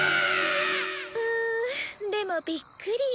うんでもびっくり。